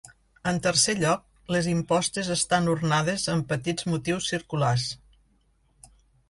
En tercer lloc les impostes estan ornades amb petits motius circulars.